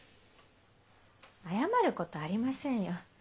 謝ることありませんよ。